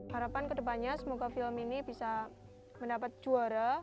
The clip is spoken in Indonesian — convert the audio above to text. harapan kedepannya semoga film ini bisa mendapat juara